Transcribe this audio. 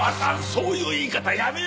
そういう言い方やめよう！